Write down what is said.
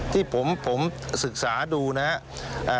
ที่ผมศึกษาดูนะครับ